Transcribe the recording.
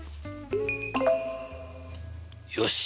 よし！